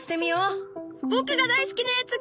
僕が大好きなやつ来た！